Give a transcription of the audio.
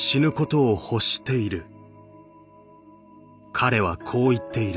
「彼はこう言っている」。